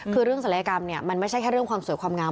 คือเรื่องศัลยกรรมเนี่ยมันไม่ใช่แค่เรื่องความสวยความงาม